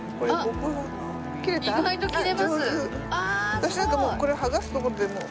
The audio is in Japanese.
私なんかもうこれを剥がすところで。